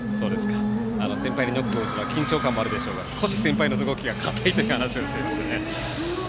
先輩のノックを打つのは緊張するでしょうが少し先輩の動きが硬いという話をしていましたね。